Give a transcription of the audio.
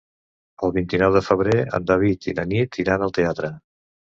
El vint-i-nou de febrer en David i na Nit iran al teatre.